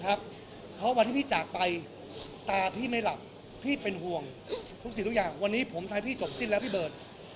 เพราะวันที่พี่จากไปตาพี่ไม่หลับพี่เป็นห่วงทุกสิ่งทุกอย่างวันนี้ผมทำให้พี่จบสิ้นแล้วพี่เบิร์ต